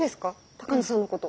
鷹野さんのこと。